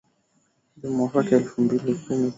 vya mwaka elfu mbili na kumi na tisa